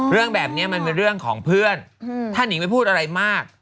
เรื่องแบบนี้มันเป็นเรื่องของเพื่อนถ้านิงไม่พูดอะไรมาก